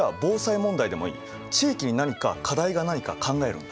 地域に何か課題がないか考えるんだ。